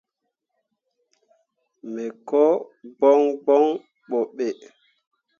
Me ko gboŋ gboŋ ɓo ɓe.